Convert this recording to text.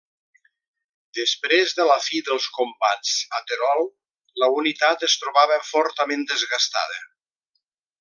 Després de la fi dels combats a Terol la unitat es trobava fortament desgastada.